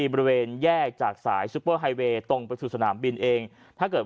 บริเวณแยกจากสายซุปเปอร์ไฮเวย์ตรงไปสู่สนามบินเองถ้าเกิด